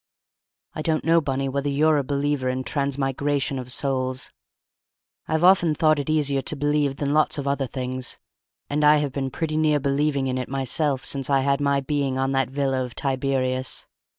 "I don't know, Bunny, whether you're a believer in transmigration of souls. I have often thought it easier to believe than lots of other things, and I have been pretty near believing in it myself since I had my being on that villa of Tiberius.